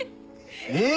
え！